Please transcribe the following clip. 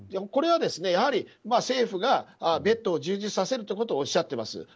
これは、やはり政府がベッドを充実させるということをおっしゃっています。